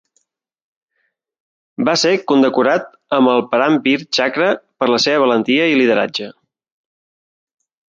Va ser condecorat amb el Param Vir Chakra per la seva valentia i lideratge.